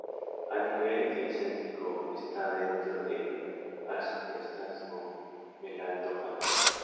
A nivel eclesiástico está dentro del Arciprestazgo del Alto Jalón.